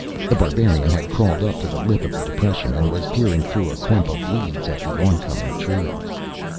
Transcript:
The Barbarian had crawled up to the lip of the depression, and was peering through a clump of weeds at the oncoming trio.